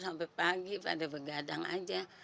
sampai pagi pada begadang aja